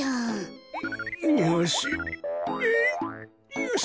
よし。